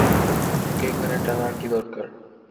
ওকে এখানে টানার কী দরকার?